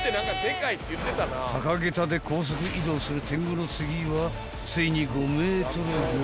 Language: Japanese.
［高げたで高速移動する天狗の次はついに５ｍごえ］